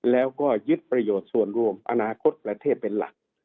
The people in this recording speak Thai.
แล้วก็ยึดประโยชน์ส่วนรวมอนาคตประเทศเป็นหลัก